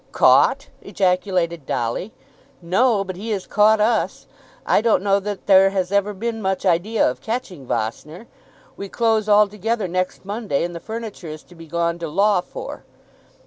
"Caught!" ejaculated Dolly. "No; but he has caught us. I don't know that there has ever been much idea of catching Vossner. We close altogether next Monday, and the furniture is to be gone to law for.